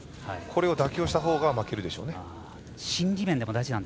これを妥協したほうが負けるでしょうね。